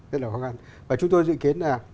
rất là khó khăn và chúng tôi dự kiến là